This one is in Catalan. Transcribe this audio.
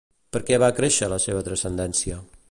Per què va créixer la seva transcendència?